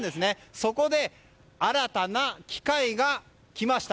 そこで新たな機械が来ました。